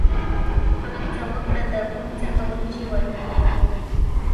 هغه څه وکړه د کوم څه کولو چې وړتیا لرئ.